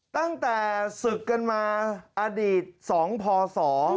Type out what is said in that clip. ตั้งแต่ศึกกันมาอดีต๒พศ